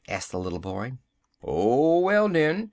asked the little boy. "Oh, well den!"